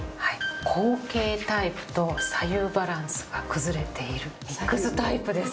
後傾タイプと左右バランスが崩れているミックスタイプです。